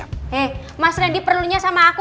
he mas randy perlunya sama aku